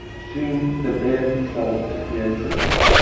Soon, the Bear Patrol is created.